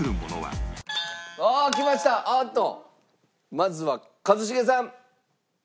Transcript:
まずは一茂さん。